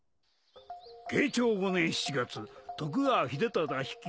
慶長５年７月徳川秀忠率いる